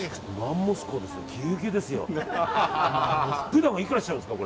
普段はいくらするんですか。